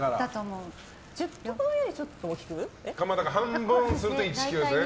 半分にすると１ｋｇですね。